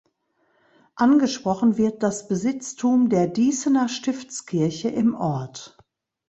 Angesprochen wird das Besitztum der Dießener Stiftskirche im Ort.